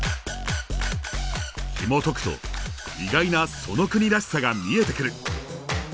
ひもとくと意外なその国らしさが見えてくる！